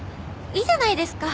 いいじゃないですか。